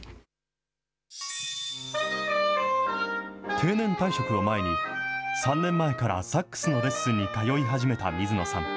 定年退職を前に、３年前からサックスのレッスンに通い始めた水野さん。